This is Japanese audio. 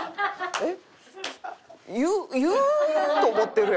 えっ？